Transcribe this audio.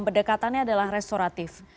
berdekatannya adalah restoratif